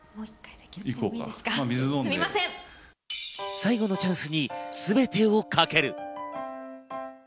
最後のチャンスにすべてを懸ける。